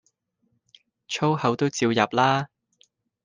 粗口都照入啦